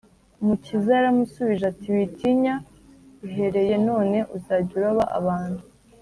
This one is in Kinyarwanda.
umukiza yaramusubije ati, “witinya, uhereye none uzajya uroba abantu